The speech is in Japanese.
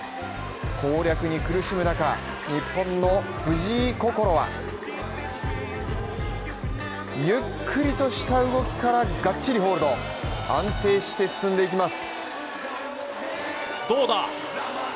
攻略に苦しむ中、日本の藤井快はゆっくりとした動きからがっちりホールド安定して進んでいきます。